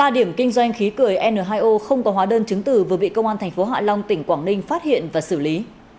ba điểm kinh doanh khí cười n hai o không có hóa đơn chứng tử vừa bị công an tp hạ long tỉnh quảng ninh phát hiện và xử lý